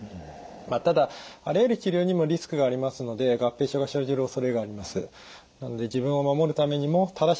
まあただあらゆる治療にもリスクがありますので合併症が生じる恐れがあります。